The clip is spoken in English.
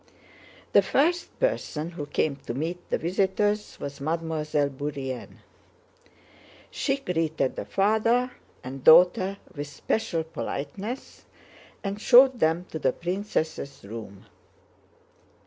The first person who came to meet the visitors was Mademoiselle Bourienne. She greeted the father and daughter with special politeness and showed them to the princess' room.